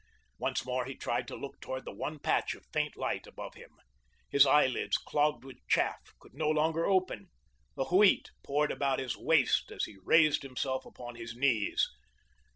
Once more he tried to look toward the one patch of faint light above him. His eye lids, clogged with chaff, could no longer open. The Wheat poured about his waist as he raised himself upon his knees.